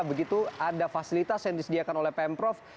begitu ada fasilitas yang disediakan oleh pemprov